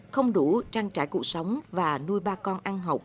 không đủ trang trải cuộc sống và nuôi ba con